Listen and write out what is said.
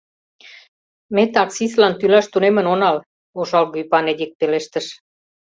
— Ме таксистлан тӱлаш тунемын онал, — ошалге ӱпан Эдик пелештыш.